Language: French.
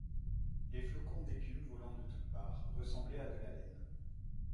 Les flocons d’écume, volant de toutes parts, ressemblaient à de la laine.